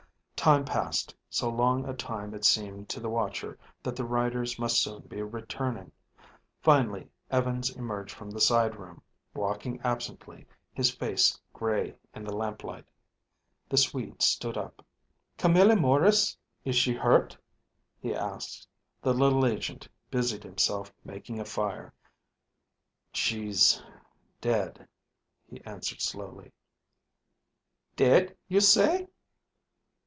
Time passed, so long a time it seemed to the watcher that the riders must soon be returning. Finally Evans emerged from the side room, walking absently, his face gray in the lamplight. The Swede stood up. "Camilla Maurice, is she hurt?" he asked. The little agent busied himself making a fire. "She's dead," he answered slowly. "Dead, you say?"